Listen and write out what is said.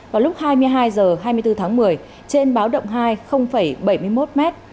vào lúc hai mươi hai h hai mươi bốn tháng một mươi trên báo động hai bảy mươi một m